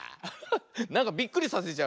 なんかびっくりさせちゃうね。